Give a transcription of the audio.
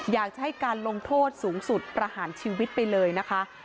อยากจะให้การลงโทษสูงสุดประหารชีวิตไปเลยนะคะ